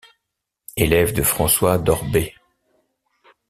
Élève de François d'Orbay.